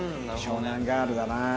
湘南ガールだな。